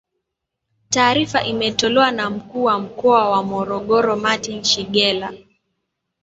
Taarifa imetolewa na Mkuu wa Mkoa wa Morogoro Martine Shigela